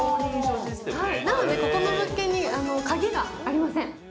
なので、ここの物件は鍵がありません。